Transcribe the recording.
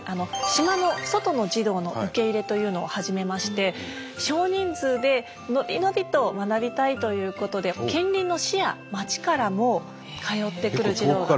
島の外の児童の受け入れというのを始めまして少人数でのびのびと学びたいということで近隣の市や町からも通ってくる児童が。